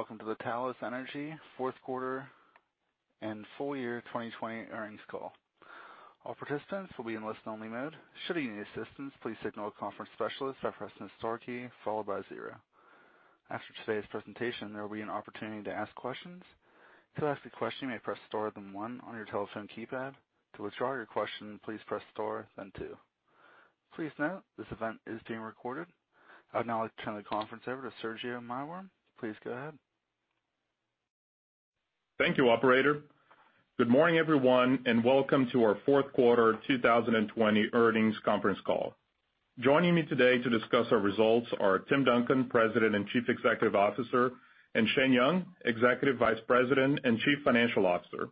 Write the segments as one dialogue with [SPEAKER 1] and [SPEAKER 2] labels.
[SPEAKER 1] Welcome to the Talos Energy Fourth Quarter and full Year 2020 Earnings call, all participants will be in listen-only mode. Should you need assistance please signal the conference specialist by pressing star key followed by zero. After today's presentation there will be an opportunity to ask questions, to ask questions, you may press star, then one on your telephone keypad. To withdraw your question, please press star then two. Please note, this event is being recorded. I'd now like to turn the conference over to Sergio Maiworm. Please go ahead.
[SPEAKER 2] Thank you, operator. Good morning, everyone, and welcome to our fourth quarter 2020 earnings conference call. Joining me today to discuss our results are Tim Duncan, President and Chief Executive Officer, and Shane Young, Executive Vice President and Chief Financial Officer.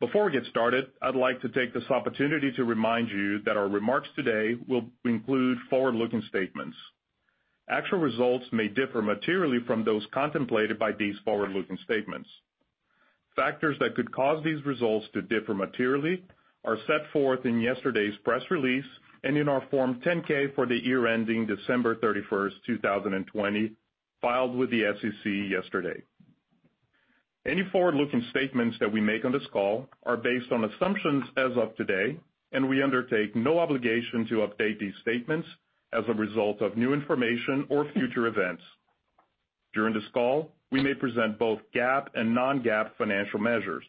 [SPEAKER 2] Before we get started, I'd like to take this opportunity to remind you that our remarks today will include forward-looking statements. Actual results may differ materially from those contemplated by these forward-looking statements. Factors that could cause these results to differ materially are set forth in yesterday's press release and in our Form 10-K for the year ending December 31st, 2020, filed with the SEC yesterday. Any forward-looking statements that we make on this call are based on assumptions as of today, and we undertake no obligation to update these statements as a result of new information or future events. During this call, we may present both GAAP and non-GAAP financial measures.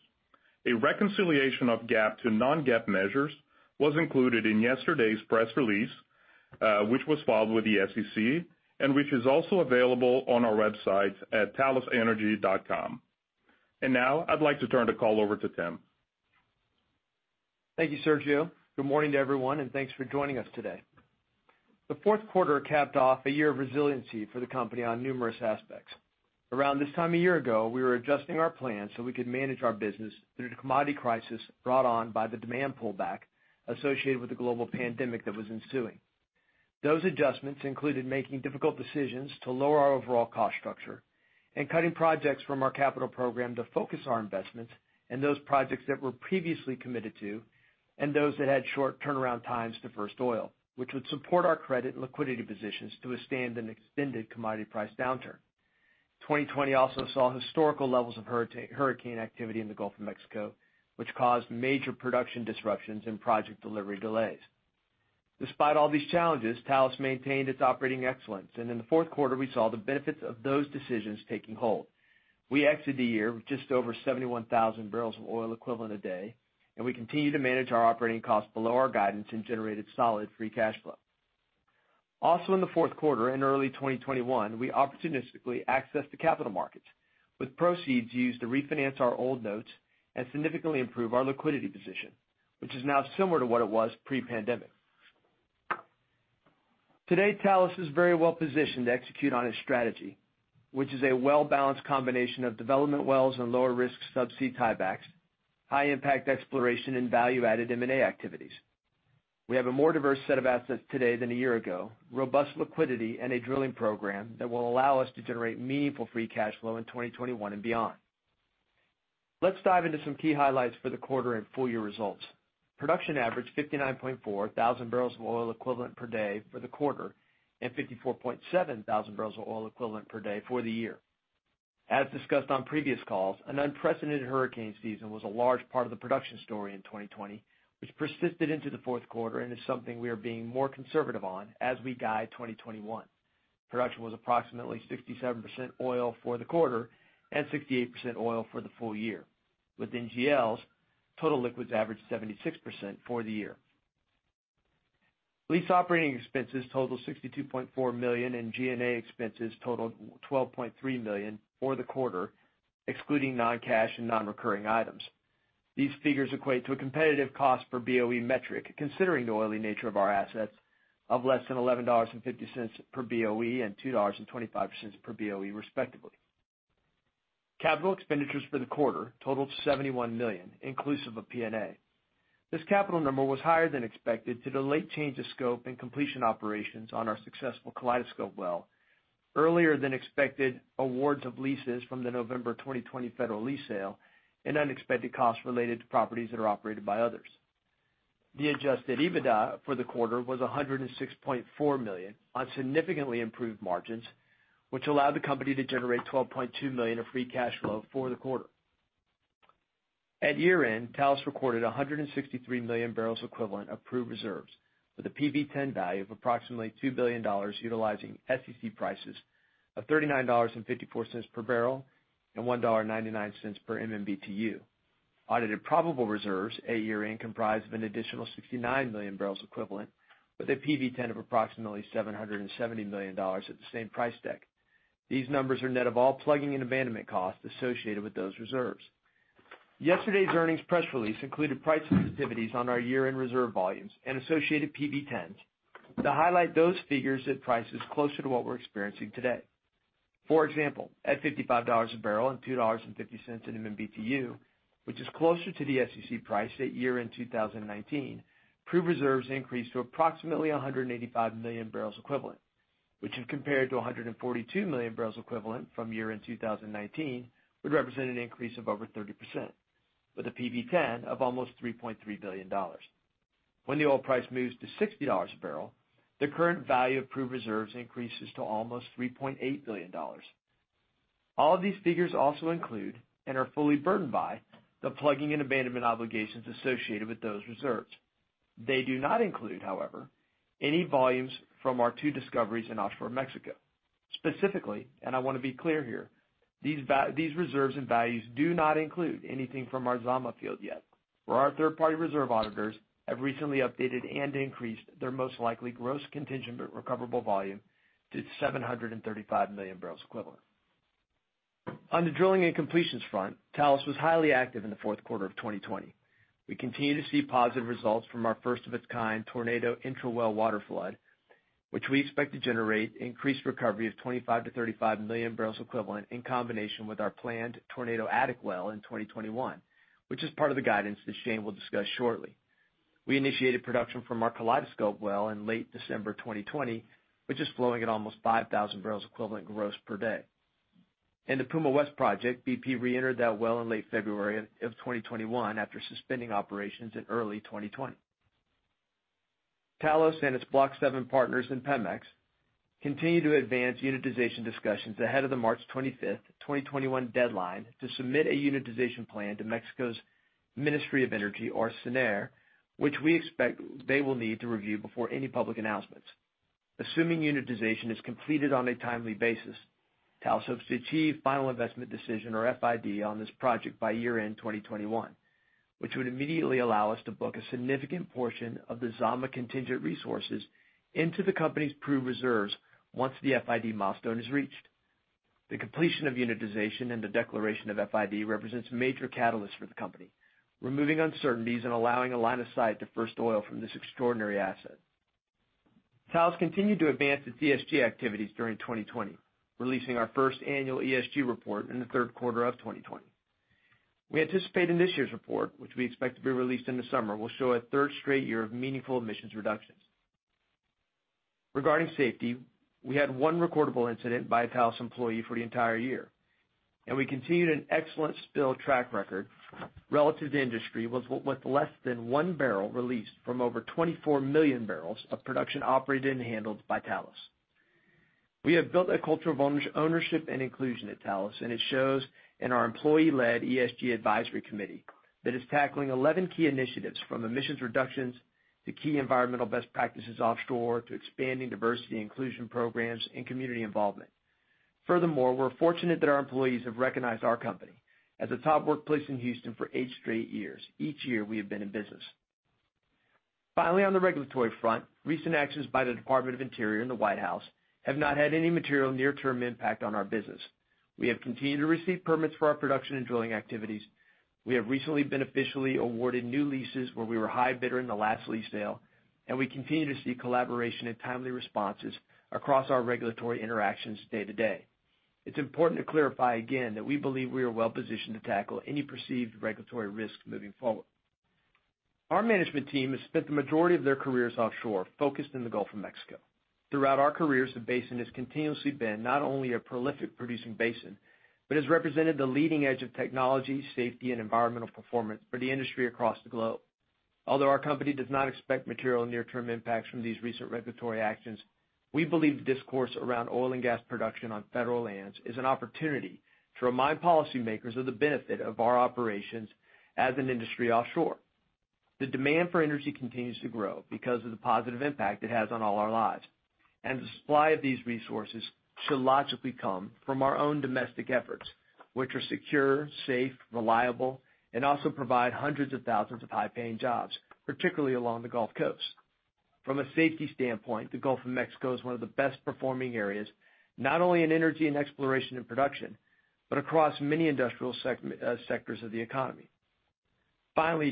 [SPEAKER 2] A reconciliation of GAAP to non-GAAP measures was included in yesterday's press release, which was filed with the SEC and which is also available on our website at talosenergy.com. Now I'd like to turn the call over to Tim.
[SPEAKER 3] Thank you, Sergio. Good morning to everyone, and thanks for joining us today. The fourth quarter capped off a year of resiliency for the company on numerous aspects. Around this time a year ago, we were adjusting our plans so we could manage our business through the commodity crisis brought on by the demand pullback associated with the global pandemic that was ensuing. Those adjustments included making difficult decisions to lower our overall cost structure and cutting projects from our capital program to focus our investments and those projects that were previously committed to and those that had short turnaround times to first oil, which would support our credit and liquidity positions to withstand an extended commodity price downturn. 2020 also saw historical levels of hurricane activity in the Gulf of Mexico, which caused major production disruptions and project delivery delays. Despite all these challenges, Talos maintained its operating excellence. In the fourth quarter, we saw the benefits of those decisions taking hold. We exited the year with just over 71,000 barrels of oil equivalent a day. We continue to manage our operating costs below our guidance and generated solid free cash flow. In the fourth quarter, in early 2021, we opportunistically accessed the capital markets with proceeds used to refinance our old notes and significantly improve our liquidity position, which is now similar to what it was pre-pandemic. Today, Talos is very well positioned to execute on its strategy, which is a well-balanced combination of development wells and lower risk subsea tiebacks, high impact exploration, and value-added M&A activities. We have a more diverse set of assets today than a year ago, robust liquidity, and a drilling program that will allow us to generate meaningful free cash flow in 2021 and beyond. Let's dive into some key highlights for the quarter and full year results. Production averaged 59.4 thousand barrels of oil equivalent per day for the quarter and 54.7 thousand barrels of oil equivalent per day for the year. As discussed on previous calls, an unprecedented hurricane season was a large part of the production story in 2020, which persisted into the fourth quarter and is something we are being more conservative on as we guide 2021. Production was approximately 67% oil for the quarter and 68% oil for the full year. With NGLs, total liquids averaged 76% for the year. Lease operating expenses totaled $62.4 million, and G&A expenses totaled $12.3 million for the quarter, excluding non-cash and non-recurring items. These figures equate to a competitive cost per BOE metric, considering the oily nature of our assets of less than $11.50 per BOE and $2.25 per BOE, respectively. Capital expenditures for the quarter totaled $71 million, inclusive of P&A. This capital number was higher than expected due to late change of scope and completion operations on our successful Kaleidoscope well, earlier than expected awards of leases from the November 2020 federal lease sale, and unexpected costs related to properties that are operated by others. The adjusted EBITDA for the quarter was $106.4 million on significantly improved margins, which allowed the company to generate $12.2 million of free cash flow for the quarter. At year-end, Talos recorded 163 million barrels equivalent of proved reserves with a PV-10 value of approximately $2 billion, utilizing SEC prices of $39.54 per barrel and $1.99 per MMBtu. Audited probable reserves at year-end comprised of an additional 69 million barrels equivalent, with a PV-10 of approximately $770 million at the same price deck. These numbers are net of all plugging and abandonment costs associated with those reserves. Yesterday's earnings press release included price sensitivities on our year-end reserve volumes and associated PV-10s to highlight those figures at prices closer to what we're experiencing today. For example, at $55 a barrel and $2.50 an MMBtu, which is closer to the SEC price at year-end 2019, proved reserves increased to approximately 185 million barrels equivalent, which when compared to 142 million barrels equivalent from year-end 2019, would represent an increase of over 30%, with a PV-10 of almost $3.3 billion. When the oil price moves to $60 a barrel, the current value of proved reserves increases to almost $3.8 billion. All of these figures also include and are fully burdened by the plugging and abandonment obligations associated with those reserves. They do not include, however, any volumes from our two discoveries in offshore Mexico. Specifically, I want to be clear here, these reserves and values do not include anything from our Zama field yet, where our third-party reserve auditors have recently updated and increased their most likely gross contingent but recoverable volume to 735 million barrels equivalent. On the drilling and completions front, Talos was highly active in the fourth quarter of 2020. We continue to see positive results from our first-of-its-kind Tornado intra-well waterflood, which we expect to generate increased recovery of 25 million barrels equivalent-35 million barrels equivalent in combination with our planned Tornado Attic Well in 2021, which is part of the guidance that Shane will discuss shortly. We initiated production from our Kaleidoscope Well in late December 2020, which is flowing at almost 5,000 barrels equivalent gross per day. In the Puma West Project, BP reentered that well in late February of 2021 after suspending operations in early 2020. Talos and its Block Seven partners in Pemex continue to advance unitization discussions ahead of the March 25th, 2021 deadline to submit a unitization plan to Mexico's Ministry of Energy, or SENER, which we expect they will need to review before any public announcements. Assuming unitization is completed on a timely basis, Talos hopes to achieve final investment decision or FID on this project by year-end 2021, which would immediately allow us to book a significant portion of the Zama contingent resources into the company's proved reserves once the FID milestone is reached. The completion of unitization and the declaration of FID represents major catalysts for the company, removing uncertainties and allowing a line of sight to first oil from this extraordinary asset. Talos continued to advance its ESG activities during 2020, releasing our first annual ESG report in the third quarter of 2020. We anticipate in this year's report, which we expect to be released in the summer, will show a third straight year of meaningful emissions reductions. Regarding safety, we had one recordable incident by a Talos employee for the entire year, and we continued an excellent spill track record relative to industry, with less than one barrel released from over 24 million barrels of production operated and handled by Talos. We have built a culture of ownership and inclusion at Talos, and it shows in our employee-led ESG advisory committee that is tackling 11 key initiatives from emissions reductions to key environmental best practices offshore to expanding diversity inclusion programs and community involvement. Furthermore, we're fortunate that our employees have recognized our company as a top workplace in Houston for eight straight years, each year we have been in business. Finally, on the regulatory front, recent actions by the Department of the Interior and the White House have not had any material near-term impact on our business. We have continued to receive permits for our production and drilling activities. We have recently been officially awarded new leases where we were high bidder in the last lease sale, and we continue to see collaboration and timely responses across our regulatory interactions day to day. It's important to clarify again that we believe we are well positioned to tackle any perceived regulatory risks moving forward. Our management team has spent the majority of their careers offshore, focused in the Gulf of Mexico. Throughout our careers, the basin has continuously been not only a prolific producing basin, but has represented the leading edge of technology, safety, and environmental performance for the industry across the globe. Although our company does not expect material near-term impacts from these recent regulatory actions, we believe the discourse around oil and gas production on federal lands is an opportunity to remind policymakers of the benefit of our operations as an industry offshore. The demand for energy continues to grow because of the positive impact it has on all our lives. The supply of these resources should logically come from our own domestic efforts, which are secure, safe, reliable, and also provide hundreds of thousands of high-paying jobs, particularly along the Gulf Coast. From a safety standpoint, the Gulf of Mexico is one of the best performing areas, not only in energy and exploration and production, but across many industrial sectors of the economy.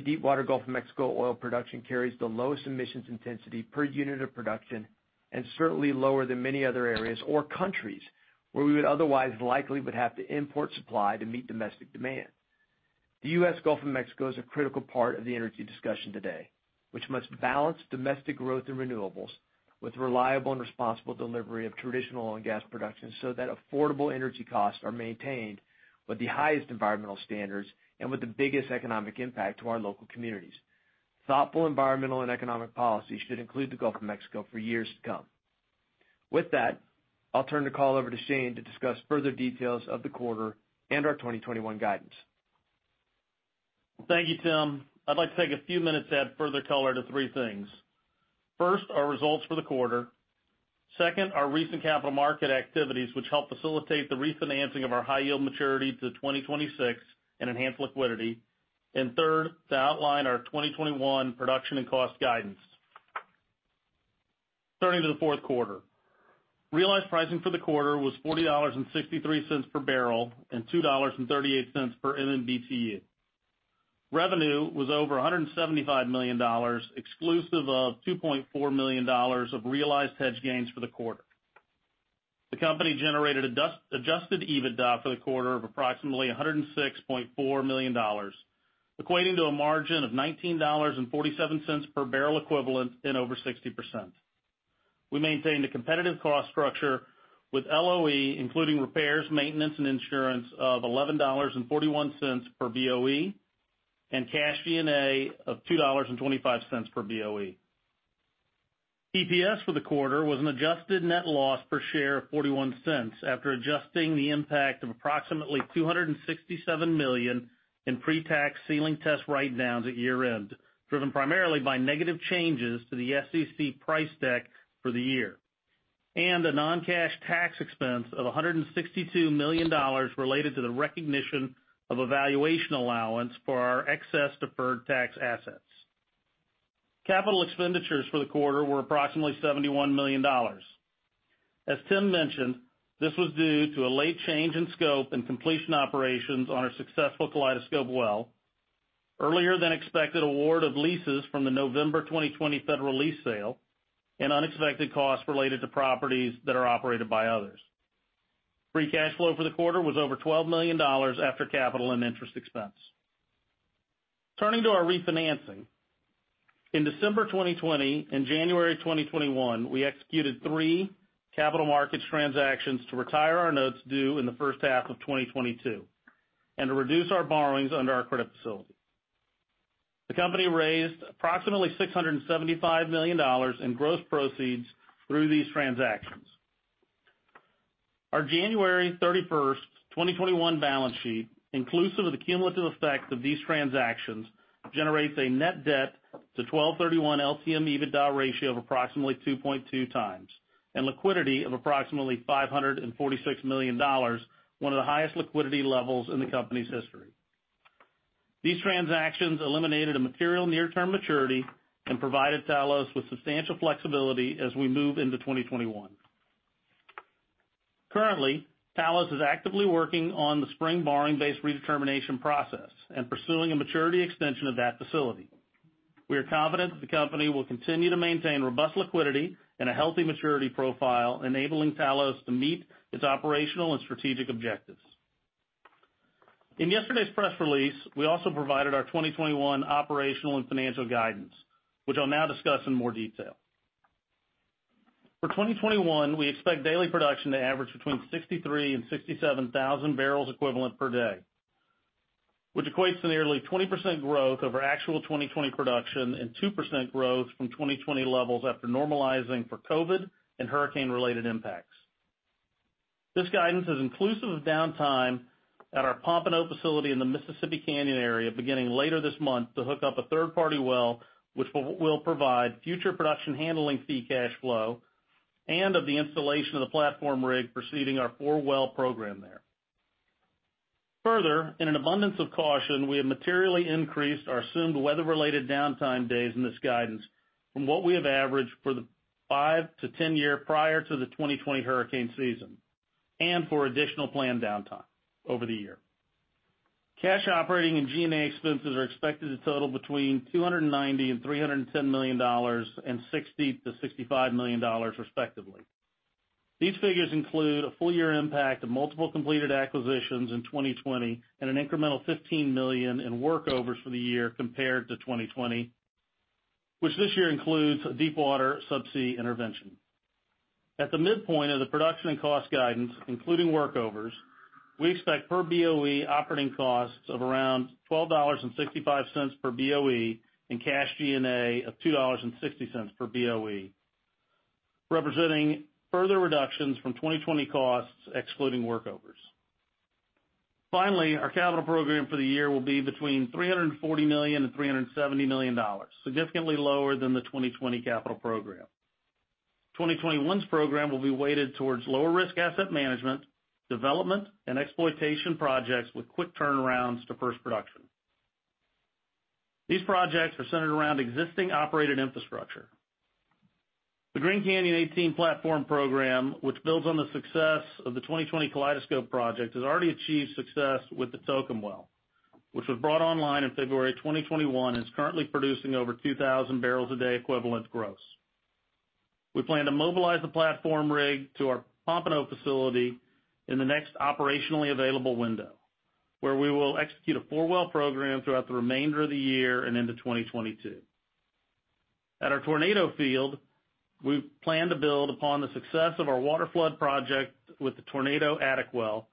[SPEAKER 3] Deepwater Gulf of Mexico oil production carries the lowest emissions intensity per unit of production and certainly lower than many other areas or countries where we would otherwise likely would have to import supply to meet domestic demand. The U.S. Gulf of Mexico is a critical part of the energy discussion today, which must balance domestic growth and renewables with reliable and responsible delivery of traditional oil and gas production so that affordable energy costs are maintained with the highest environmental standards and with the biggest economic impact to our local communities. Thoughtful environmental and economic policy should include the Gulf of Mexico for years to come. I'll turn the call over to Shane to discuss further details of the quarter and our 2021 guidance.
[SPEAKER 4] Thank you, Tim. I'd like to take a few minutes to add further color to three things. First, our results for the quarter. Second, our recent capital market activities, which help facilitate the refinancing of our high yield maturity to 2026 and enhance liquidity. Third, to outline our 2021 production and cost guidance. Turning to the fourth quarter. Realized pricing for the quarter was $40.63 per barrel and $2.38 per MMBtu. Revenue was over $175 million, exclusive of $2.4 million of realized hedge gains for the quarter. The company generated adjusted EBITDA for the quarter of approximately $106.4 million, equating to a margin of $19.47 per barrel equivalent and over 60%. We maintained a competitive cost structure with LOE, including repairs, maintenance, and insurance of $11.41 per BOE, and cash G&A of $2.25 per BOE. EPS for the quarter was an adjusted net loss per share of $0.41 after adjusting the impact of approximately $267 million in pre-tax ceiling test write-downs at year-end, driven primarily by negative changes to the SEC price deck for the year, and a non-cash tax expense of $162 million related to the recognition of a valuation allowance for our excess deferred tax assets. Capital expenditures for the quarter were approximately $71 million. As Tim mentioned, this was due to a late change in scope and completion operations on our successful Kaleidoscope well, earlier than expected award of leases from the November 2020 federal lease sale, and unexpected costs related to properties that are operated by others. Free cash flow for the quarter was over $12 million after capital and interest expense. Turning to our refinancing. In December 2020 and January 2021, we executed three capital markets transactions to retire our notes due in the first half of 2022, and to reduce our borrowings under our credit facility. The company raised approximately $675 million in gross proceeds through these transactions. Our January 31st, 2021 balance sheet, inclusive of the cumulative effect of these transactions, generates a net debt to 12/31 LTM EBITDA ratio of approximately 2.2 times, and liquidity of approximately $546 million, one of the highest liquidity levels in the company's history. These transactions eliminated a material near-term maturity and provided Talos with substantial flexibility as we move into 2021. Currently, Talos is actively working on the spring borrowing base redetermination process and pursuing a maturity extension of that facility. We are confident that the company will continue to maintain robust liquidity and a healthy maturity profile, enabling Talos to meet its operational and strategic objectives. In yesterday's press release, we also provided our 2021 operational and financial guidance, which I'll now discuss in more detail. For 2021, we expect daily production to average between 63,000 and 67,000 barrels equivalent per day, which equates to nearly 20% growth over actual 2020 production and 2% growth from 2020 levels after normalizing for COVID and hurricane-related impacts. This guidance is inclusive of downtime at our Pompano facility in the Mississippi Canyon area beginning later this month to hook up a third-party well, which will provide future production handling fee cash flow and of the installation of the platform rig preceding our four-well program there. Further, in an abundance of caution, we have materially increased our assumed weather-related downtime days in this guidance from what we have averaged for the five to 10 years prior to the 2020 hurricane season, and for additional planned downtime over the year. Cash operating and G&A expenses are expected to total between $290 million and $310 million and $60 million-$65 million respectively. These figures include a full-year impact of multiple completed acquisitions in 2020 and an incremental $15 million in workovers for the year compared to 2020, which this year includes a deepwater subsea intervention. At the midpoint of the production and cost guidance, including workovers, we expect per BOE operating costs of around $12.65 per BOE and cash G&A of $2.60 per BOE, representing further reductions from 2020 costs excluding workovers. Finally, our capital program for the year will be between $340 million and $370 million, significantly lower than the 2020 capital program. 2021's program will be weighted towards lower risk asset management, development, and exploitation projects with quick turnarounds to first production. These projects are centered around existing operated infrastructure. The Green Canyon 18 platform program, which builds on the success of the 2020 Kaleidoscope Project, has already achieved success with the Toucan well, which was brought online in February 2021 and is currently producing over 2,000 barrels a day equivalent gross. We plan to mobilize the platform rig to our Pompano facility in the next operationally available window, where we will execute a four-well program throughout the remainder of the year and into 2022. At our Tornado field, we plan to build upon the success of our waterflood project with the Tornado Attic Well,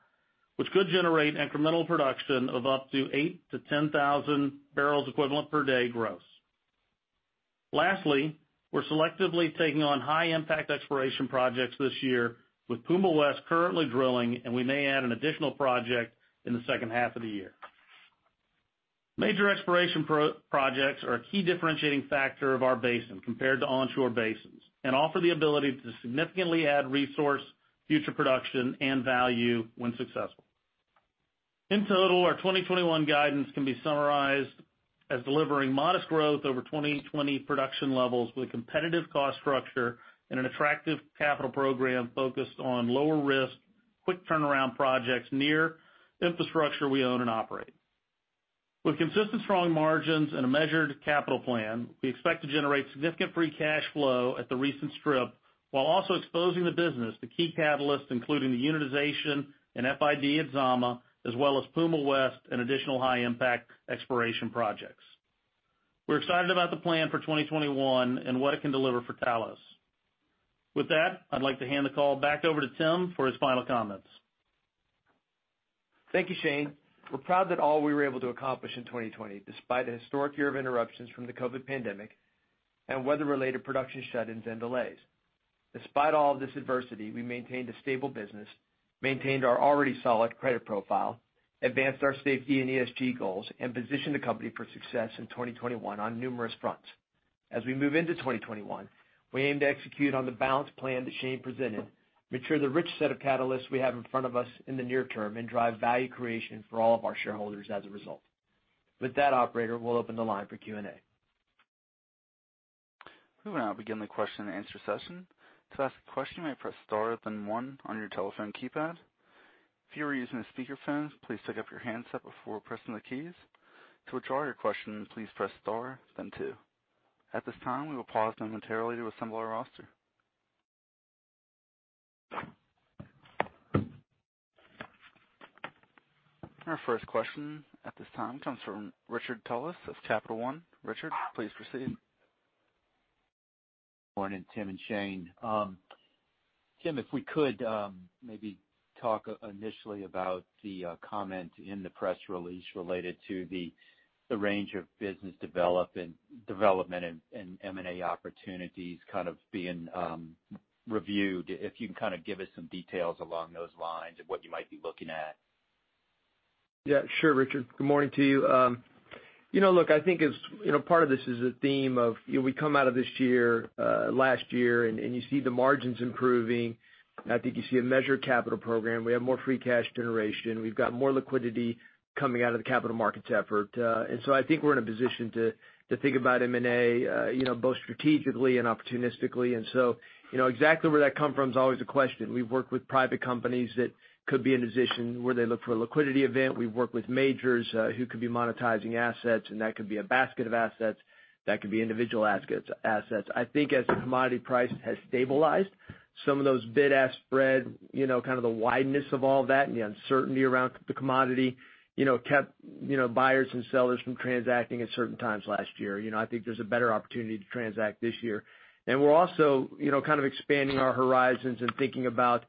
[SPEAKER 4] which could generate incremental production of up to 8,000 to 10,000 barrels equivalent per day gross. We're selectively taking on high-impact exploration projects this year with Puma West currently drilling, and we may add an additional project in the second half of the year. Major exploration projects are a key differentiating factor of our basin compared to onshore basins and offer the ability to significantly add resource, future production, and value when successful. Our 2021 guidance can be summarized as delivering modest growth over 2020 production levels with a competitive cost structure and an attractive capital program focused on lower risk, quick turnaround projects near infrastructure we own and operate. With consistent strong margins and a measured capital plan, we expect to generate significant free cash flow at the recent strip while also exposing the business to key catalysts, including the unitization and FID at Zama, as well as Puma West and additional high-impact exploration projects. We're excited about the plan for 2021 and what it can deliver for Talos. With that, I'd like to hand the call back over to Tim for his final comments.
[SPEAKER 3] Thank you, Shane. We're proud that all we were able to accomplish in 2020, despite a historic year of interruptions from the COVID pandemic and weather-related production shut-ins and delays. Despite all of this adversity, we maintained a stable business, maintained our already solid credit profile, advanced our safety and ESG goals, and positioned the company for success in 2021 on numerous fronts. As we move into 2021, we aim to execute on the balanced plan that Shane presented, mature the rich set of catalysts we have in front of us in the near term, and drive value creation for all of our shareholders as a result. With that, operator, we'll open the line for Q&A.
[SPEAKER 1] We will now begin the question and answer session. To ask a question, you may press star, then one on your telephone keypad. If you are using a speakerphone, please pick up your handset before pressing the keys. To withdraw your question, please press star, then two. At this time, we will pause momentarily to assemble our roster. Our first question at this time comes from Richard Tullis of Capital One. Richard, please proceed.
[SPEAKER 5] Morning, Tim and Shannon. Tim, if we could maybe talk initially about the comment in the press release related to the range of business development and M&A opportunities kind of being reviewed. If you can kind of give us some details along those lines of what you might be looking at.
[SPEAKER 3] Yeah, sure, Richard. Good morning to you. Look, I think part of this is a theme of we come out of this year, last year, and you see the margins improving, and I think you see a measured capital program. We have more free cash generation. We've got more liquidity coming out of the capital markets effort. I think we're in a position to think about M&A both strategically and opportunistically. Exactly where that comes from is always a question. We've worked with private companies that could be in a position where they look for a liquidity event. We've worked with majors who could be monetizing assets, and that could be a basket of assets, that could be individual assets. I think as the commodity price has stabilized, some of those bid-ask spread, kind of the wideness of all that and the uncertainty around the commodity kept buyers and sellers from transacting at certain times last year. I think there's a better opportunity to transact this year. We're also kind of expanding our horizons and thinking about,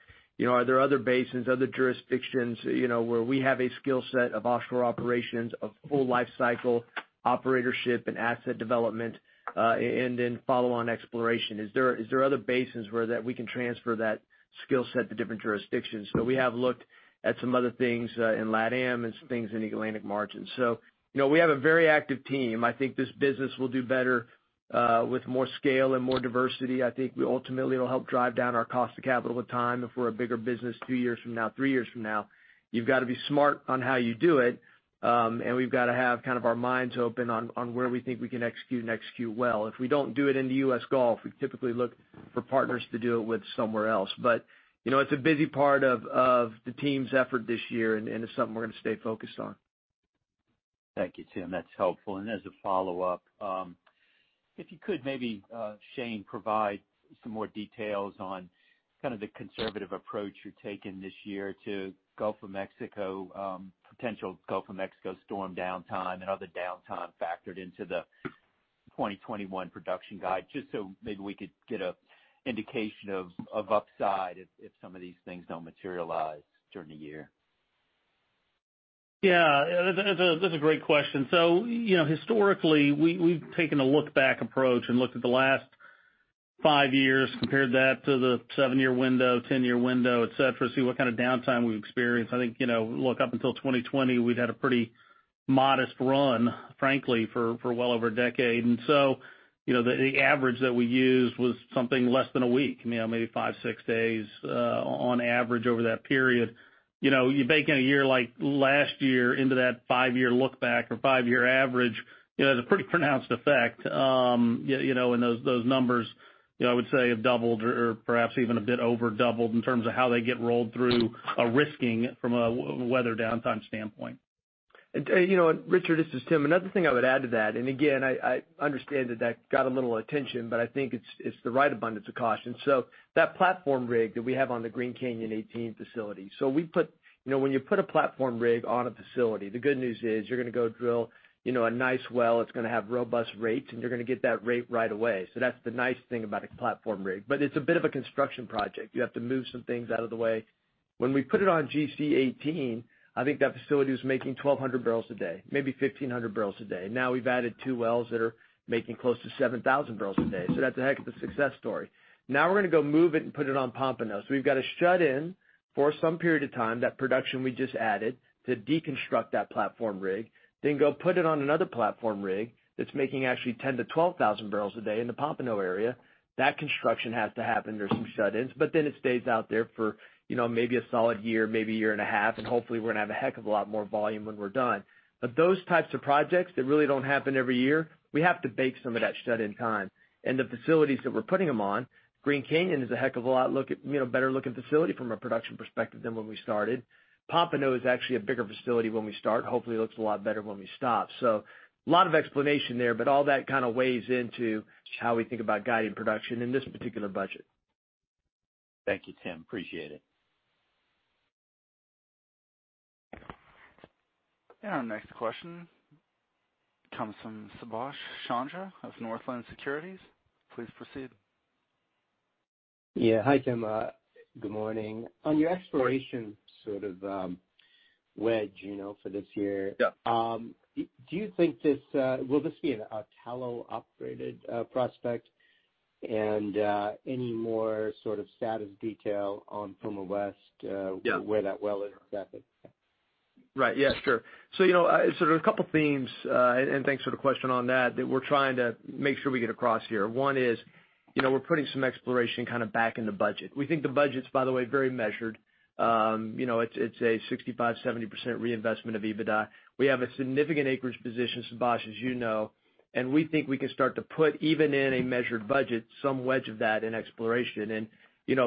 [SPEAKER 3] are there other basins, other jurisdictions, where we have a skill set of offshore operations, of full lifecycle operatorship and asset development, and then follow on exploration. Is there other basins where we can transfer that skill set to different jurisdictions? We have looked at some other things in LATAM and some things in the Atlantic margins. We have a very active team. I think this business will do better with more scale and more diversity. I think we ultimately will help drive down our cost of capital with time if we're a bigger business two years from now, three years from now. You've got to be smart on how you do it. We've got to have kind of our minds open on where we think we can execute and execute well. If we don't do it in the U.S. Gulf, we typically look for partners to do it with somewhere else. It's a busy part of the team's effort this year, and it's something we're going to stay focused on.
[SPEAKER 5] Thank you, Tim. That's helpful. As a follow-up, if you could maybe, Shane, provide some more details on kind of the conservative approach you're taking this year to Gulf of Mexico, potential Gulf of Mexico storm downtime and other downtime factored into the 2021 production guide, just so maybe we could get an indication of upside if some of these things don't materialize during the year.
[SPEAKER 4] Yeah. That's a great question. Historically, we've taken a look back approach and looked at the last five years, compared that to the seven-year window, 10-year window, et cetera, see what kind of downtime we've experienced. I think, look, up until 2020, we'd had a pretty modest run, frankly, for well over a decade. The average that we used was something less than a week, maybe five, six days on average over that period. You bake in a year like last year into that five-year look back or five-year average, it has a pretty pronounced effect. Those numbers, I would say, have doubled or perhaps even a bit over doubled in terms of how they get rolled through a risking from a weather downtime standpoint.
[SPEAKER 3] Richard, this is Tim. Another thing I would add to that, and again, I understand that got a little attention, but I think it's the right abundance of caution. That platform rig that we have on the Green Canyon 18 facility. When you put a platform rig on a facility, the good news is you're going to go drill a nice well, it's going to have robust rates, and you're going to get that rate right away. That's the nice thing about a platform rig. It's a bit of a construction project. You have to move some things out of the way. When we put it on GC 18, I think that facility was making 1,200 barrels a day, maybe 1,500 barrels a day. Now we've added two wells that are making close to 7,000 barrels a day. That's a heck of a success story. We're going to go move it and put it on Pompano. We've got to shut in for some period of time that production we just added to deconstruct that platform rig, then go put it on another platform rig that's making actually 10,000-12,000 barrels a day in the Pompano area. That construction has to happen. There's some shut-ins, it stays out there for maybe a solid year, maybe a year and a half. Hopefully we're going to have a heck of a lot more volume when we're done. Those types of projects, they really don't happen every year. We have to bake some of that shut-in time. The facilities that we're putting them on, Green Canyon is a heck of a lot better-looking facility from a production perspective than when we started. Pompano is actually a bigger facility when we start. Hopefully it looks a lot better when we stop. A lot of explanation there, but all that kind of weighs into how we think about guiding production in this particular budget.
[SPEAKER 5] Thank you, Tim. Appreciate it.
[SPEAKER 1] Our next question comes from Subhash Chandra of Northland Securities. Please proceed.
[SPEAKER 6] Yeah. Hi, Tim. Good morning. On your exploration sort of wedge for this year.
[SPEAKER 3] Yeah
[SPEAKER 6] do you think, will this be an Talos-operated prospect? Any more sort of status detail on Puma West?
[SPEAKER 3] Yeah
[SPEAKER 6] where that well intercept is?
[SPEAKER 3] Right. Yeah, sure. There's a couple themes, and thanks for the question on that we're trying to make sure we get across here. One is, we're putting some exploration back in the budget. We think the budget's, by the way, very measured. It's a 65%-70% reinvestment of EBITDA. We have a significant acreage position, Subhash, as you know, and we think we can start to put, even in a measured budget, some wedge of that in exploration.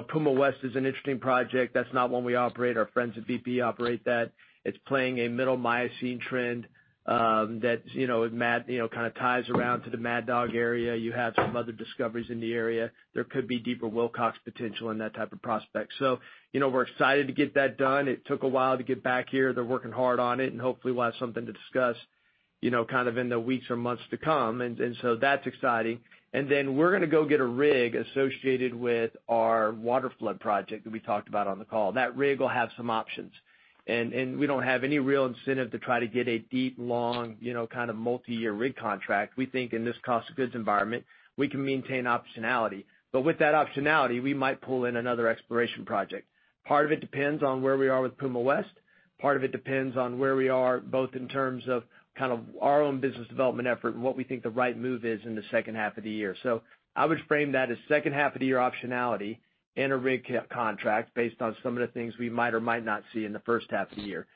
[SPEAKER 3] Puma West is an interesting project. That's not one we operate. Our friends at BP operate that. It's playing a Middle Miocene trend that kind of ties around to the Mad Dog area. You have some other discoveries in the area. There could be deeper Wilcox potential in that type of prospect. We're excited to get that done. It took a while to get back here. They're working hard on it, hopefully we'll have something to discuss in the weeks or months to come. That's exciting. We're going to go get a rig associated with our Waterflood project that we talked about on the call. That rig will have some options. We don't have any real incentive to try to get a deep, long, kind of multi-year rig contract. We think in this cost of goods environment, we can maintain optionality. With that optionality, we might pull in another exploration project. Part of it depends on where we are with Puma West. Part of it depends on where we are, both in terms of our own business development effort and what we think the right move is in the second half of the year. I would frame that as second half of the year optionality and a rig contract based on some of the things we might or might not see in the first half of the year.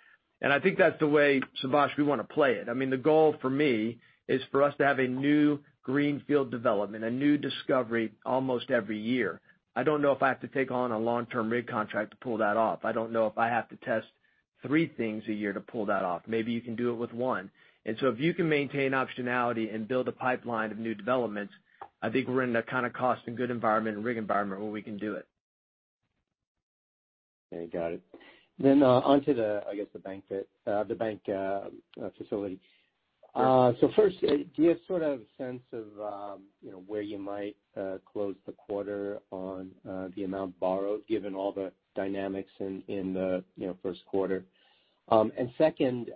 [SPEAKER 3] I think that's the way, Subhash, we want to play it. The goal for me is for us to have a new greenfield development, a new discovery almost every year. I don't know if I have to take on a long-term rig contract to pull that off. I don't know if I have to test three things a year to pull that off. Maybe you can do it with one. If you can maintain optionality and build a pipeline of new developments, I think we're in a kind of cost and good environment and rig environment where we can do it.
[SPEAKER 6] Okay. Got it. Onto the bank facility.
[SPEAKER 3] Sure.
[SPEAKER 6] First, do you have sort of a sense of where you might close the quarter on the amount borrowed given all the dynamics in the first quarter? Second,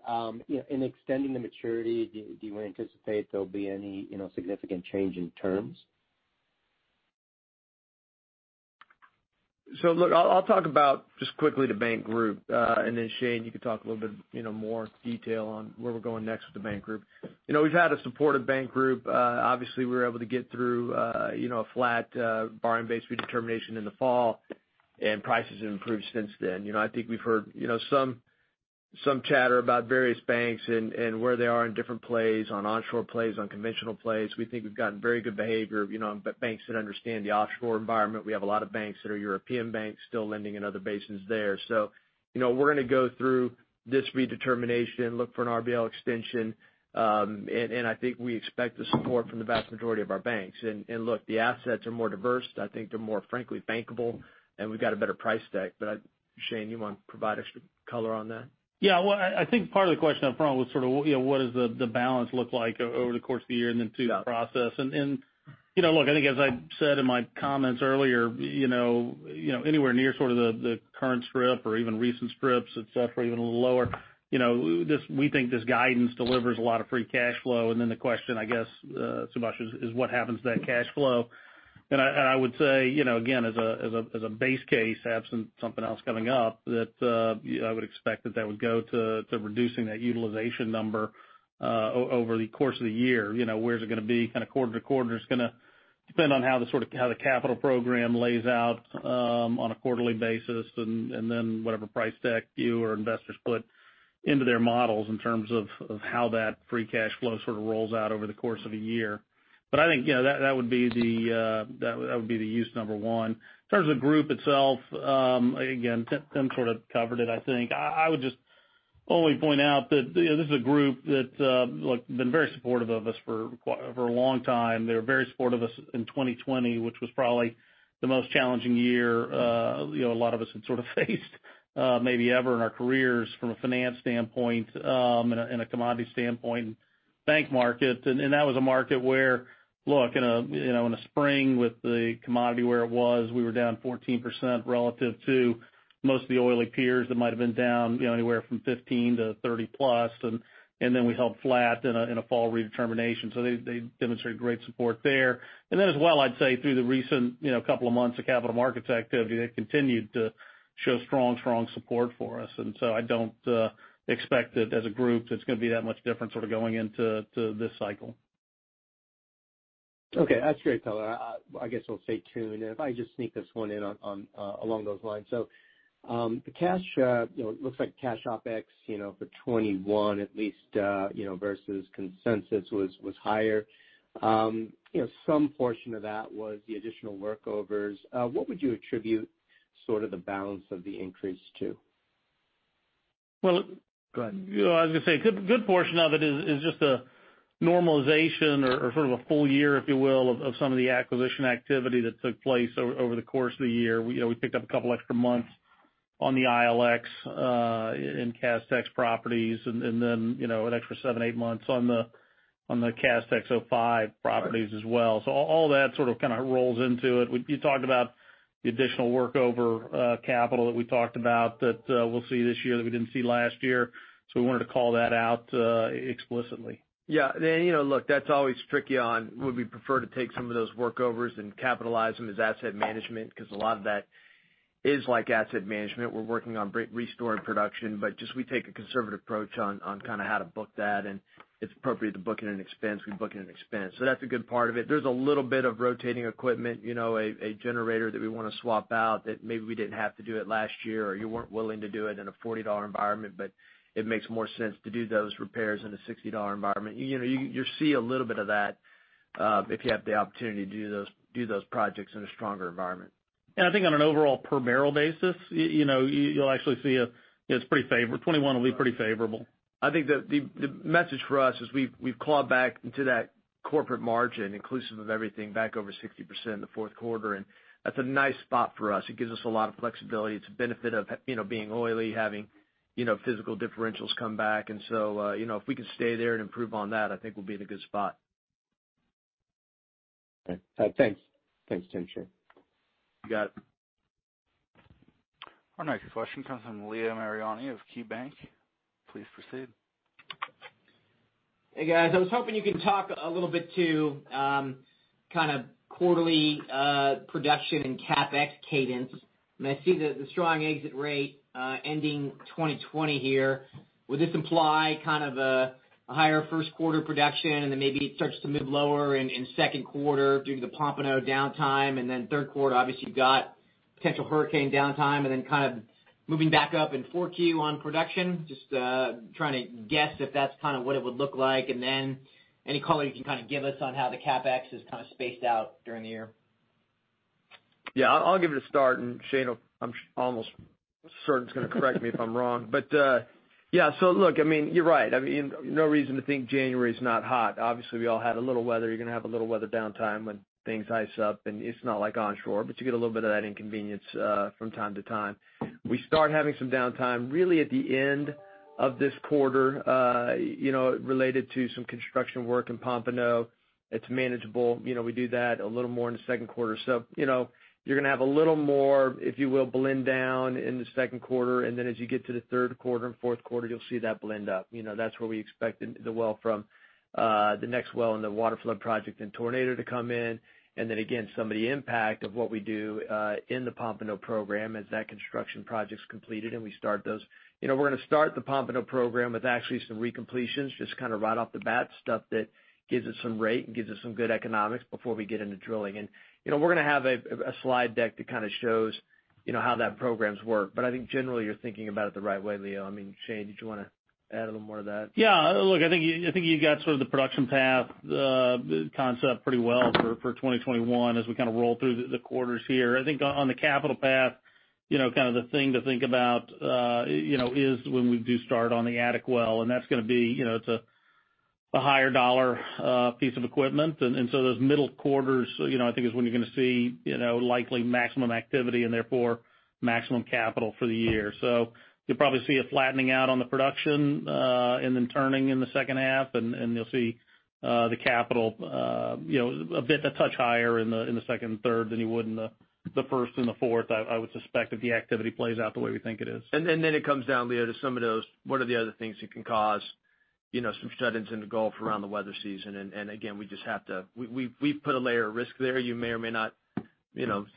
[SPEAKER 6] in extending the maturity, do you anticipate there'll be any significant change in terms?
[SPEAKER 3] Look, I'll talk about just quickly the bank group, and then Shane, you can talk a little bit more detail on where we're going next with the bank group. We've had a supportive bank group. Obviously, we were able to get through a flat borrowing base redetermination in the fall, and prices have improved since then. I think we've heard some chatter about various banks and where they are in different plays, on onshore plays, on conventional plays. We think we've gotten very good behavior, but banks that understand the offshore environment, we have a lot of banks that are European banks still lending in other basins there. We're going to go through this redetermination, look for an RBL extension, and I think we expect the support from the vast majority of our banks. Look, the assets are more diverse. I think they're more frankly bankable, and we've got a better price deck. Shane, you want to provide extra color on that?
[SPEAKER 4] Yeah. Well, I think part of the question up front was sort of what does the balance look like over the course of the year, and then two, the process. Look, I think as I said in my comments earlier, anywhere near sort of the current strip or even recent strips, et cetera, even a little lower, we think this guidance delivers a lot of free cash flow. The question, I guess, Subhash, is what happens to that cash flow? I would say, again, as a base case, absent something else coming up, that I would expect that would go to reducing that utilization number over the course of the year. Where's it going to be kind of quarter to quarter is going to depend on how the capital program lays out on a quarterly basis and then whatever price deck you or investors put into their models in terms of how that free cash flow sort of rolls out over the course of a year. I think that would be the use number one. In terms of the group itself, again, Tim sort of covered it, I think. I would just only point out that this is a group that has been very supportive of us for a long time. They were very supportive of us in 2020, which was probably the most challenging year a lot of us had sort of faced maybe ever in our careers from a finance standpoint, and a commodity standpoint, and bank market. That was a market where, look, in the spring with the commodity where it was, we were down 14% relative to most of the oily peers that might've been down anywhere from 15%-30% plus. We held flat in a fall redetermination. They demonstrated great support there. As well, I'd say through the recent couple of months of capital markets activity, they've continued to show strong support for us. I don't expect that as a group it's going to be that much different sort of going into this cycle.
[SPEAKER 6] Okay. That's great color. I guess we'll stay tuned. If I just sneak this one in along those lines. It looks like cash OpEx for 2021 at least, versus consensus was higher. Some portion of that was the additional workovers. What would you attribute sort of the balance of the increase to?
[SPEAKER 3] Well- Go ahead.
[SPEAKER 4] I was going to say, a good portion of it is just a. normalization or sort of a full year, if you will, of some of the acquisition activity that took place over the course of the year. We picked up a couple extra months on the ILX and Castex properties and then an extra seven, eight months on the Castex 05 properties as well. All that sort of rolls into it. You talked about the additional workover capital that we talked about that we'll see this year that we didn't see last year. We wanted to call that out explicitly.
[SPEAKER 3] Yeah. Look, that's always tricky. Would we prefer to take some of those workovers and capitalize them as asset management? A lot of that is like asset management. We're working on restoring production. We take a conservative approach on how to book that, and it's appropriate to book it in expense, we book it in expense. That's a good part of it. There's a little bit of rotating equipment, a generator that we want to swap out that maybe we didn't have to do it last year, or you weren't willing to do it in a $40 environment. It makes more sense to do those repairs in a $60 environment. You see a little bit of that, if you have the opportunity to do those projects in a stronger environment.
[SPEAKER 4] I think on an overall per barrel basis, you'll actually see it's pretty favorable. 2021 will be pretty favorable.
[SPEAKER 3] I think that the message for us is we've clawed back into that corporate margin, inclusive of everything, back over 60% in the fourth quarter, and that's a nice spot for us. It gives us a lot of flexibility. It's a benefit of being oily, having physical differentials come back. If we can stay there and improve on that, I think we'll be in a good spot.
[SPEAKER 6] Okay. Thanks. Thanks, Shane.
[SPEAKER 3] You got it.
[SPEAKER 1] Our next question comes from Leo Mariani of KeyBanc. Please proceed.
[SPEAKER 7] Hey, guys. I was hoping you could talk a little bit to kind of quarterly production and CapEx cadence. I see the strong exit rate ending 2020 here. Would this imply kind of a higher first quarter production, and then maybe it starts to move lower in second quarter due to the Pompano downtime? Third quarter, obviously, you've got potential hurricane downtime, and then kind of moving back up in 4Q on production. Just trying to guess if that's kind of what it would look like. Any color you can kind of give us on how the CapEx is kind of spaced out during the year.
[SPEAKER 3] Yeah, I'll give it a start, and Shane, I'm almost certain is going to correct me if I'm wrong. Look, you're right. No reason to think January's not hot. Obviously, we all had a little weather. You're going to have a little weather downtime when things ice up, and it's not like onshore, but you get a little bit of that inconvenience from time to time. We start having some downtime really at the end of this quarter, related to some construction work in Pompano. It's manageable. We do that a little more in the second quarter. You're going to have a little more, if you will, blend down in the second quarter, and then as you get to the third quarter and fourth quarter, you'll see that blend up. That's where we expect the next well in the waterflood project in Tornado to come in. Then again, some of the impact of what we do in the Pompano program as that construction project's completed, and we start those. We're going to start the Pompano program with actually some recompletions just kind of right off the bat, stuff that gives us some rate and gives us some good economics before we get into drilling. We're going to have a slide deck that kind of shows how that programs work. I think generally you're thinking about it the right way, Leo. Shane, did you want to add a little more to that?
[SPEAKER 4] Yeah. Look, I think you got sort of the production path concept pretty well for 2021 as we kind of roll through the quarters here. I think on the capital path, kind of the thing to think about is when we do start on the Attic Well, and that's going to be a higher dollar piece of equipment. Those middle quarters, I think is when you're going to see likely maximum activity and therefore maximum capital for the year. You'll probably see a flattening out on the production, and then turning in the second half, and you'll see the capital a touch higher in the second and third than you would in the first and the fourth. I would suspect if the activity plays out the way we think it is.
[SPEAKER 3] It comes down, Leo, to some of those. What are the other things that can cause some shut-ins in the Gulf around the weather season? Again, we've put a layer of risk there. You may or may not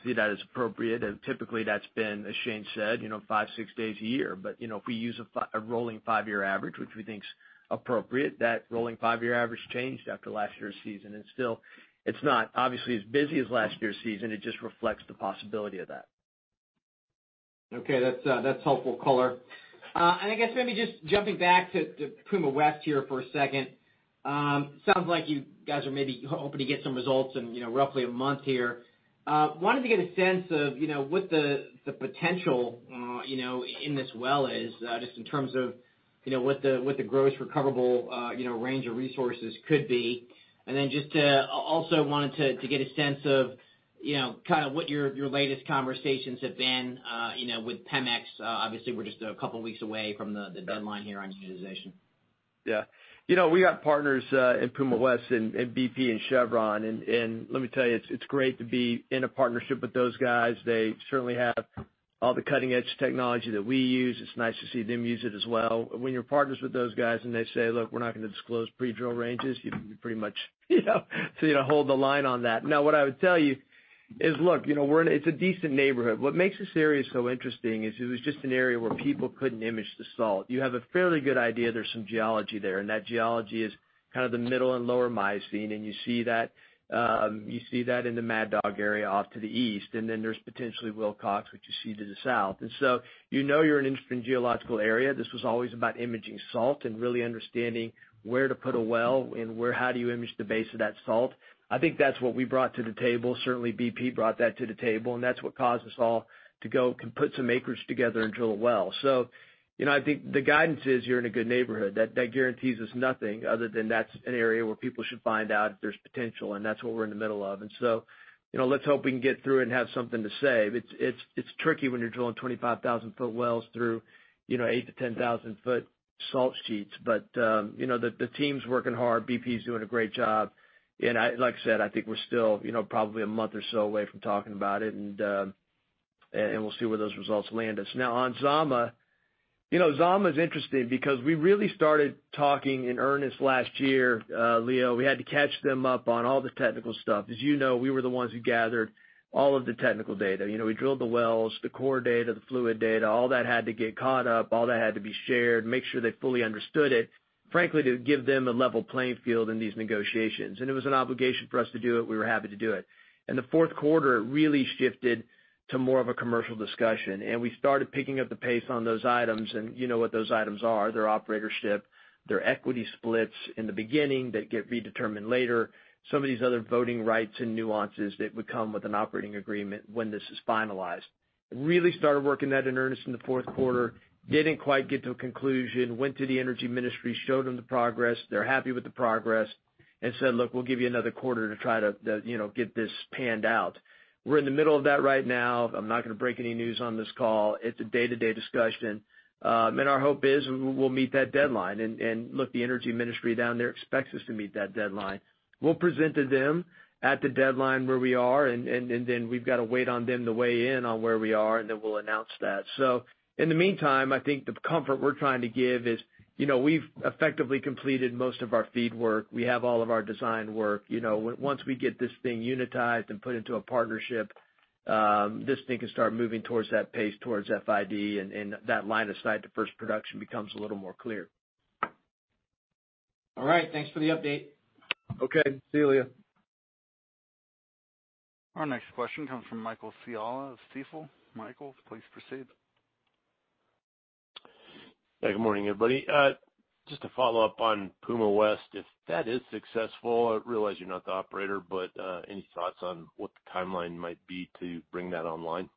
[SPEAKER 3] see that as appropriate. Typically that's been, as Shane said, five, six days a year. If we use a rolling five-year average, which we think is appropriate, that rolling five-year average changed after last year's season. Still, it's not obviously as busy as last year's season. It just reflects the possibility of that.
[SPEAKER 7] Okay, that's helpful color. I guess maybe just jumping back to Puma West here for a second. Sounds like you guys are maybe hoping to get some results in roughly a month here. Wanted to get a sense of what the potential in this well is, just in terms of what the gross recoverable range of resources could be. Wanted to get a sense of kind of what your latest conversations have been with Pemex. Obviously, we're just a couple of weeks away from the deadline here on utilization.
[SPEAKER 3] Yeah. We got partners in Puma West in BP and Chevron. Let me tell you, it's great to be in a partnership with those guys. They certainly have all the cutting-edge technology that we use. It's nice to see them use it as well. When you're partners with those guys and they say, "Look, we're not going to disclose pre-drill ranges," you pretty much hold the line on that. What I would tell you is, look, it's a decent neighborhood. What makes this area so interesting is it was just an area where people couldn't image the salt. You have a fairly good idea there's some geology there, and that geology is kind of the Middle and Lower Miocene, and you see that in the Mad Dog area off to the east. There's potentially Wilcox, which you see to the south. You know you're in an interesting geological area. This was always about imaging salt and really understanding where to put a well and how do you image the base of that salt. I think that's what we brought to the table. Certainly, BP brought that to the table, and that's what caused us all to go and put some acreage together and drill a well. I think the guidance is you're in a good neighborhood. That guarantees us nothing other than that's an area where people should find out if there's potential, and that's what we're in the middle of. Let's hope we can get through it and have something to say. It's tricky when you're drilling 25,000-foot wells through 8,000-10,000 foot salt sheets. The team's working hard. BP's doing a great job. Like I said, I think we're still probably a month or so away from talking about it, and we'll see where those results land us. Now on Zama. Zama's interesting because we really started talking in earnest last year, Leo. We had to catch them up on all the technical stuff. As you know, we were the ones who gathered all of the technical data. We drilled the wells, the core data, the fluid data, all that had to get caught up. All that had to be shared, make sure they fully understood it, frankly, to give them a level playing field in these negotiations. It was an obligation for us to do it. We were happy to do it. In the Fourth quarter, it really shifted to more of a commercial discussion, and we started picking up the pace on those items, and you know what those items are. They're operatorship. They're equity splits in the beginning that get redetermined later. Some of these other voting rights and nuances that would come with an operating agreement when this is finalized. Really started working that in earnest in the fourth quarter. Didn't quite get to a conclusion. Went to the Energy Ministry, showed them the progress. They're happy with the progress and said, "Look, we'll give you another quarter to try to get this panned out." We're in the middle of that right now. I'm not going to break any news on this call. It's a day-to-day discussion. Our hope is we'll meet that deadline. Look, the Energy Ministry down there expects us to meet that deadline. We'll present to them at the deadline where we are, and then we've got to wait on them to weigh in on where we are, and then we'll announce that. In the meantime, I think the comfort we're trying to give is, we've effectively completed most of our FEED work. We have all of our design work. Once we get this thing unitized and put into a partnership, this thing can start moving towards that pace towards FID, and that line of sight to first production becomes a little more clear.
[SPEAKER 7] All right. Thanks for the update.
[SPEAKER 3] Okay. See you, Leo.
[SPEAKER 1] Our next question comes from Michael Scialla of Stifel. Michael, please proceed.
[SPEAKER 8] Hey, good morning, everybody. Just to follow up on Puma West, if that is successful, I realize you're not the operator, any thoughts on what the timeline might be to bring that online?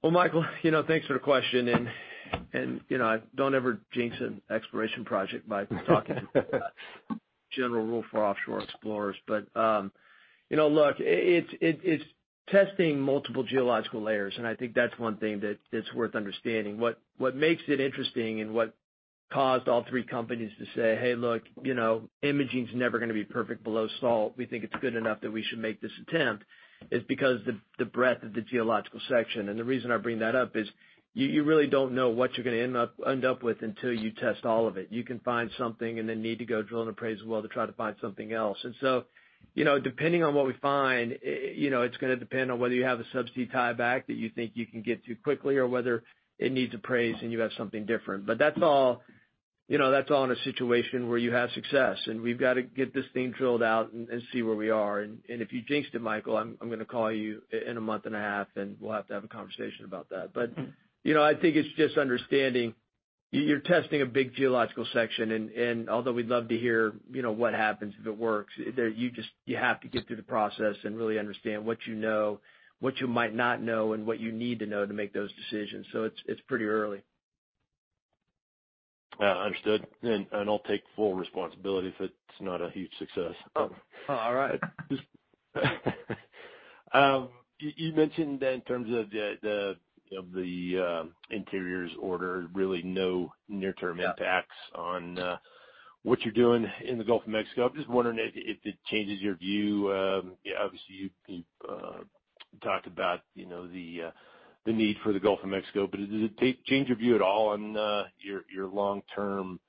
[SPEAKER 3] Well, Michael, thanks for the question. I don't ever jinx an exploration project by talking about it. General rule for offshore explorers. Look, it's testing multiple geological layers, and I think that's one thing that's worth understanding. What makes it interesting and what caused all three companies to say, "Hey, look, imaging's never going to be perfect below salt. We think it's good enough that we should make this attempt," is because the breadth of the geological section. The reason I bring that up is you really don't know what you're going to end up with until you test all of it. You can find something and then need to go drill an appraisal well to try to find something else. Depending on what we find, it's going to depend on whether you have a subsea tieback that you think you can get to quickly or whether it needs appraisal and you have something different. That's all in a situation where you have success, and we've got to get this thing drilled out and see where we are. If you jinxed it, Michael, I'm going to call you in a month and a half, and we'll have to have a conversation about that. I think it's just understanding, you're testing a big geological section, although we'd love to hear what happens if it works, you have to get through the process and really understand what you know, what you might not know, and what you need to know to make those decisions. It's pretty early.
[SPEAKER 8] Understood. I'll take full responsibility if it's not a huge success.
[SPEAKER 3] All right.
[SPEAKER 8] You mentioned that in terms of the Interior's order, really no near-term impacts.
[SPEAKER 3] Yeah
[SPEAKER 8] on what you're doing in the Gulf of Mexico. I'm just wondering if it changes your view? Obviously, you talked about the need for the Gulf of Mexico, but does it change your view at all on your long-term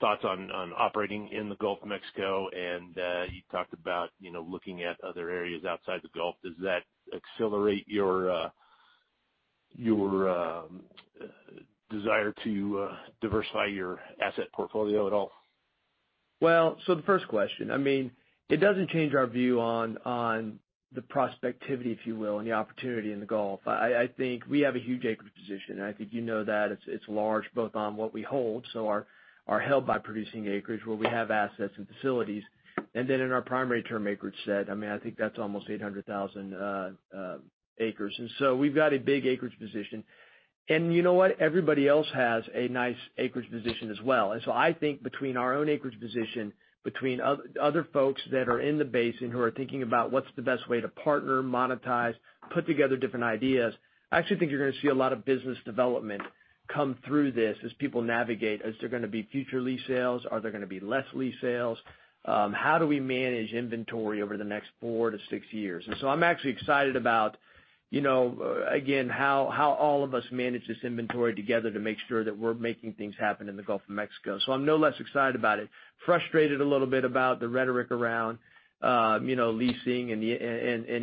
[SPEAKER 8] thoughts on operating in the Gulf of Mexico? You talked about looking at other areas outside the Gulf. Does that accelerate your desire to diversify your asset portfolio at all?
[SPEAKER 3] The first question, it doesn't change our view on the prospectivity, if you will, and the opportunity in the Gulf. I think we have a huge acreage position, and I think you know that. It's large, both on what we hold. Our held-by producing acreage, where we have assets and facilities. Then in our primary term acreage set, I think that's almost 800,000 acres. We've got a big acreage position. You know what? Everybody else has a nice acreage position as well. I think between our own acreage position, between other folks that are in the basin who are thinking about what's the best way to partner, monetize, put together different ideas, I actually think you're going to see a lot of business development come through this as people navigate. Is there going to be future lease sales? Are there going to be less lease sales? How do we manage inventory over the next four to six years? I'm actually excited about, again, how all of us manage this inventory together to make sure that we're making things happen in the Gulf of Mexico. I'm no less excited about it. Frustrated a little bit about the rhetoric around leasing and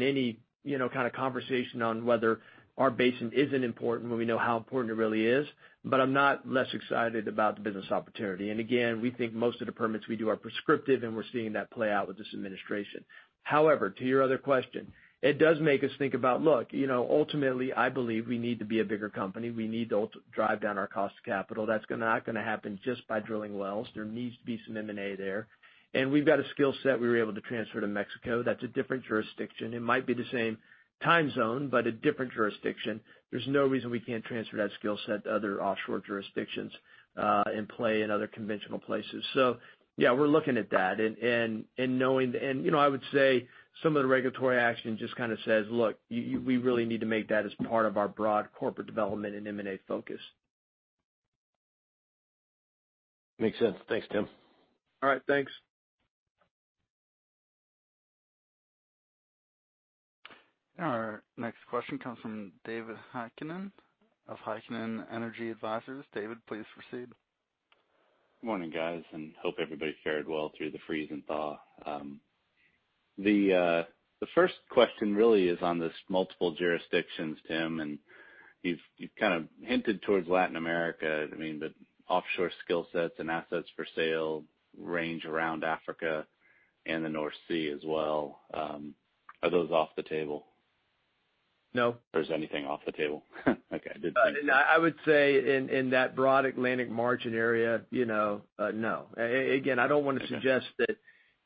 [SPEAKER 3] any kind of conversation on whether our basin isn't important when we know how important it really is. I'm not less excited about the business opportunity. Again, we think most of the permits we do are prescriptive, and we're seeing that play out with this administration. However, to your other question, it does make us think about, look, ultimately, I believe we need to be a bigger company. We need to drive down our cost of capital. That's not going to happen just by drilling wells. There needs to be some M&A there. We've got a skill set we were able to transfer to Mexico. That's a different jurisdiction. It might be the same time zone, but a different jurisdiction. There's no reason we can't transfer that skill set to other offshore jurisdictions and play in other conventional places. Yeah, we're looking at that. I would say some of the regulatory action just kind of says, look, we really need to make that as part of our broad corporate development and M&A focus.
[SPEAKER 8] Makes sense. Thanks, Tim.
[SPEAKER 3] All right, thanks.
[SPEAKER 1] Our next question comes from David Heikkinen of Heikkinen Energy Advisors. David, please proceed.
[SPEAKER 9] Good morning, guys, and hope everybody fared well through the freeze and thaw. The first question really is on this multiple jurisdictions, Tim, and you've kind of hinted towards Latin America. The offshore skill sets and assets for sale range around Africa and the North Sea as well. Are those off the table?
[SPEAKER 3] No.
[SPEAKER 9] If there's anything off the table? Okay.
[SPEAKER 3] I would say in that broad Atlantic margin area no. Again, I don't want to suggest that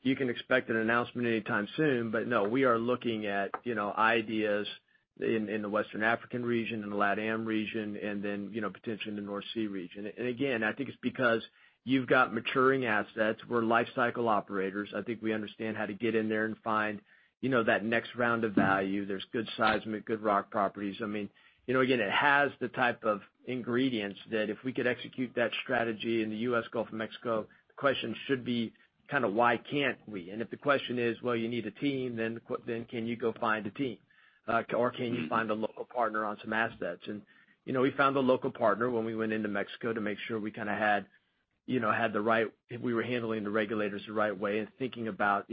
[SPEAKER 3] you can expect an announcement anytime soon. No, we are looking at ideas in the Western African region, in the LatAm region, and then potentially in the North Sea region. Again, I think it's because you've got maturing assets. We're life cycle operators. I think we understand how to get in there and find that next round of value. There's good seismic, good rock properties. Again, it has the type of ingredients that if we could execute that strategy in the U.S. Gulf of Mexico, the question should be why can't we? If the question is, well, you need a team, then can you go find a team? Can you find a local partner on some assets? We found a local partner when we went into Mexico to make sure we were handling the regulators the right way and thinking about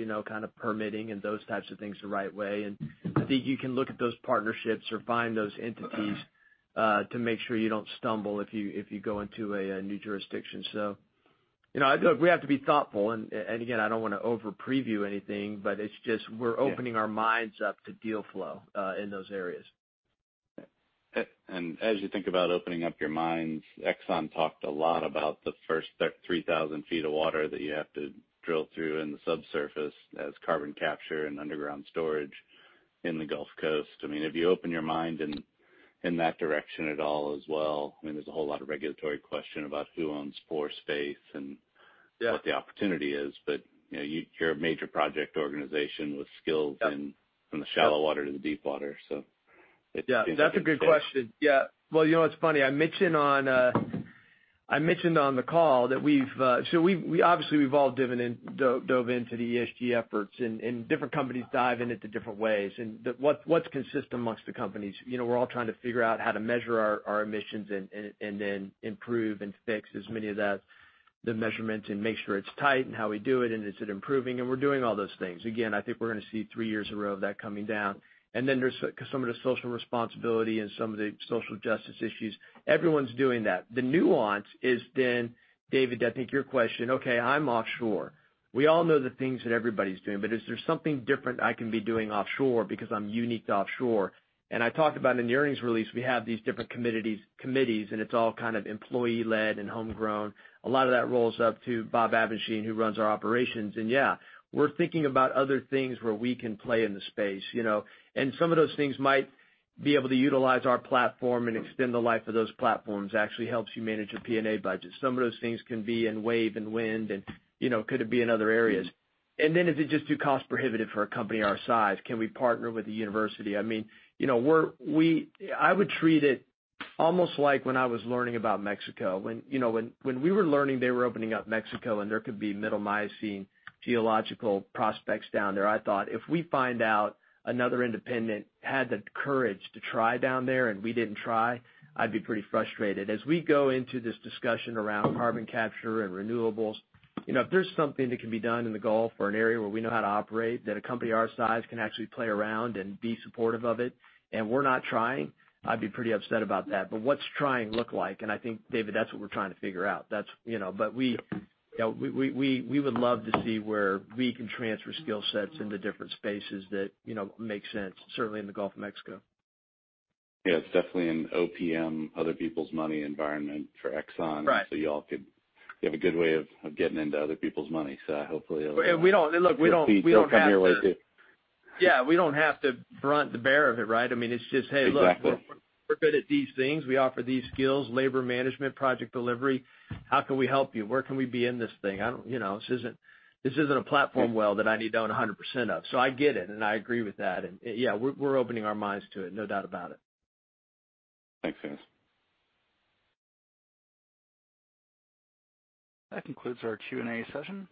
[SPEAKER 3] permitting and those types of things the right way. I think you can look at those partnerships or find those entities to make sure you don't stumble if you go into a new jurisdiction. Look, we have to be thoughtful, and again, I don't want to over preview anything, but it's just we're opening our minds up to deal flow in those areas.
[SPEAKER 9] As you think about opening up your minds, Exxon talked a lot about the first 3,000 feet of water that you have to drill through in the subsurface as carbon capture and underground storage in the Gulf Coast. Have you opened your mind in that direction at all as well? There's a whole lot of regulatory question about who owns pore space.
[SPEAKER 3] Yeah
[SPEAKER 9] what the opportunity is. You're a major project organization with skills in
[SPEAKER 3] Yep
[SPEAKER 9] from the shallow water to the deep water.
[SPEAKER 3] Yeah, that's a good question. Yeah. Well, you know, it's funny. I mentioned on the call that obviously we've all dove into the ESG efforts, and different companies dive into different ways. What's consistent amongst the companies, we're all trying to figure out how to measure our emissions and then improve and fix as many of the measurements and make sure it's tight and how we do it, and is it improving? We're doing all those things. Again, I think we're going to see three years a row of that coming down. Then there's some of the social responsibility and some of the social justice issues. Everyone's doing that. The nuance is then, David, I think your question, okay, I'm offshore. We all know the things that everybody's doing, but is there something different I can be doing offshore because I'm unique to offshore? I talked about in the earnings release, we have these different committees, and it's all kind of employee-led and homegrown. A lot of that rolls up to Bob Abendschein, who runs our operations. Yeah, we're thinking about other things where we can play in the space. Some of those things might be able to utilize our platform and extend the life of those platforms. Actually helps you manage a P&A budget. Some of those things can be in wave and wind and could it be in other areas. Is it just too cost prohibitive for a company our size? Can we partner with a university? I would treat it almost like when I was learning about Mexico. When we were learning they were opening up Mexico, and there could be Middle Miocene geological prospects down there, I thought, if we find out another independent had the courage to try down there and we didn't try, I'd be pretty frustrated. As we go into this discussion around carbon capture and renewables, if there's something that can be done in the Gulf or an area where we know how to operate, that a company our size can actually play around and be supportive of it, and we're not trying, I'd be pretty upset about that. What's trying look like? I think, David, that's what we're trying to figure out. We would love to see where we can transfer skill sets into different spaces that make sense, certainly in the Gulf of Mexico.
[SPEAKER 9] Yeah, it's definitely an OPM, other people's money environment for Exxon.
[SPEAKER 3] Right.
[SPEAKER 9] Y'all could have a good way of getting into other people's money.
[SPEAKER 3] look, we don't have to.
[SPEAKER 9] it'll come your way, too.
[SPEAKER 3] Yeah, we don't have to front the bear of it, right?
[SPEAKER 9] Exactly
[SPEAKER 3] we're good at these things. We offer these skills, labor management, project delivery. How can we help you? Where can we be in this thing? This isn't a platform well that I need to own 100% of. I get it, and I agree with that. Yeah, we're opening our minds to it, no doubt about it.
[SPEAKER 9] Thanks, Tim.
[SPEAKER 1] That concludes our Q&A session.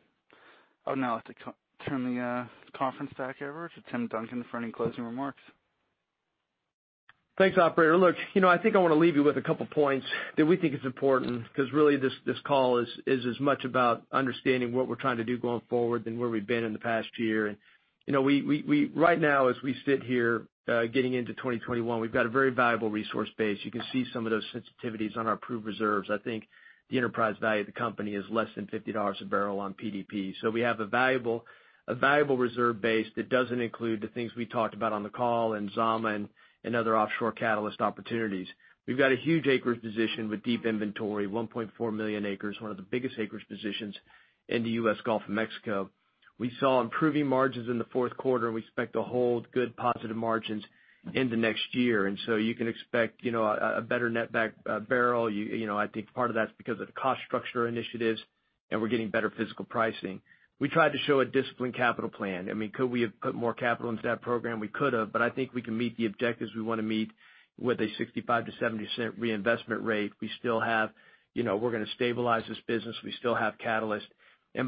[SPEAKER 1] I would now like to turn the conference back over to Tim Duncan for any closing remarks.
[SPEAKER 3] Thanks, operator. I think I want to leave you with a couple points that we think is important, because really this call is as much about understanding what we're trying to do going forward than where we've been in the past year. Right now, as we sit here getting into 2021, we've got a very valuable resource base. You can see some of those sensitivities on our proved reserves. I think the enterprise value of the company is less than $50 a barrel on PDP. We have a valuable reserve base that doesn't include the things we talked about on the call in Zama and other offshore catalyst opportunities. We've got a huge acreage position with deep inventory, 1.4 million acres, one of the biggest acreage positions in the U.S. Gulf of Mexico. We saw improving margins in the fourth quarter, and we expect to hold good positive margins into next year. You can expect a better net backed barrel. I think part of that's because of the cost structure initiatives, and we're getting better physical pricing. We tried to show a disciplined capital plan. Could we have put more capital into that program? We could have, but I think we can meet the objectives we want to meet with a 65%-70% reinvestment rate. We're going to stabilize this business. We still have catalyst.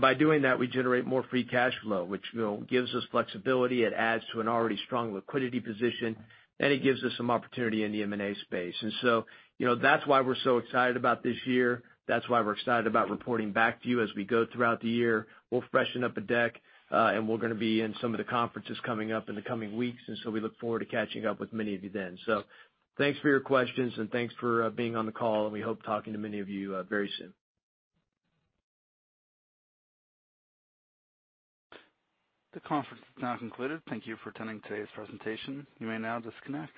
[SPEAKER 3] By doing that, we generate more free cash flow, which gives us flexibility. It adds to an already strong liquidity position, and it gives us some opportunity in the M&A space. That's why we're so excited about this year. That's why we're excited about reporting back to you as we go throughout the year. We'll freshen up a deck. We're going to be in some of the conferences coming up in the coming weeks, and so we look forward to catching up with many of you then. Thanks for your questions, and thanks for being on the call, and we hope talking to many of you very soon.
[SPEAKER 1] The conference is now concluded. Thank you for attending today's presentation. You may now disconnect.